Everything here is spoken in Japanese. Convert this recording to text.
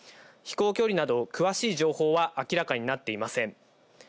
飛行距離など詳しい情報は明らかになっていません。